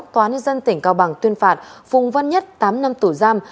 tòa nước dân tỉnh cao bằng tuyên phạt phùng vân nhất tám năm tủ giam